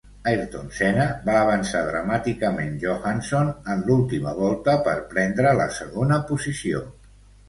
Ayrton Senna va avançar dramàticament Johansson en l'última volta per prendre la segona posició.